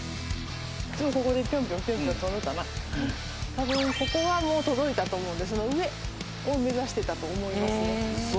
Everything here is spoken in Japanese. たぶんここはもう届いたと思うんでその上を目指してたと思いますね。